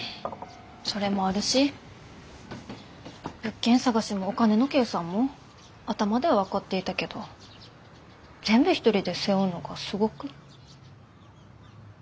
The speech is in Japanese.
それもあるし物件探しもお金の計算も頭では分かっていたけど全部一人で背負うのがすごく。